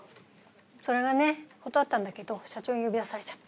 それがね断ったんだけど社長に呼び出されちゃって。